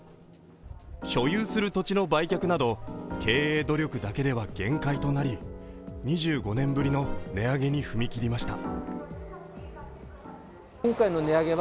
所有する土地の売却など、経営努力だけでは限界となり２５年ぶりの値上げに踏み切りました。